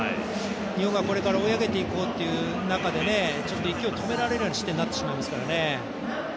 日本がこれから追い上げていこうという中で勢いを止められてしまうような失点になってしまいますからね。